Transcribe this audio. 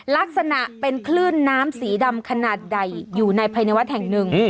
ลักษณะเป็นคลื่นน้ำสีดำขนาดใหญ่อยู่ในภายในวัดแห่งหนึ่ง